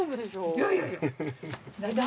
いやいやいや。